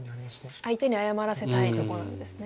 相手に謝らせたいところなんですね。